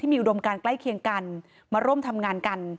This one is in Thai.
มีอุดมการใกล้เคียงกันมาร่วมทำงานกัน